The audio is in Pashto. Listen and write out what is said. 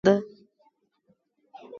ښځه د عزت او درناوي نښه ده.